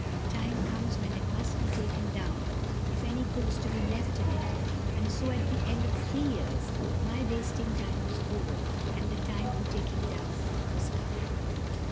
a time comes when it must be taken down, if any good's to be left in it; and so at the end of three years my basting time was over, and the time for taking down was come.